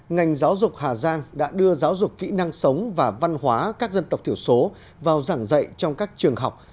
ngành giáo dục hà giang đã đưa giáo dục kỹ năng sống và văn hóa các dân tộc thiểu số vào giảng dạy trong các trường học